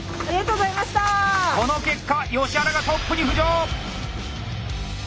この結果吉原がトップに浮上！